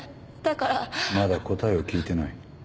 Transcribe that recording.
まだ答えを聞いてない。